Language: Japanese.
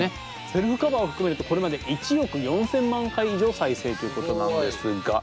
セルフカバーを含めるとこれまで１億４，０００万回以上再生ということなんですが。